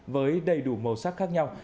với đầy đủ màu sắc khác nhau